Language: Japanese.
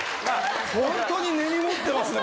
本当に根に持ってますね。